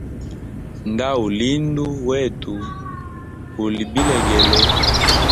Nda uli indu wetu uli bilegele.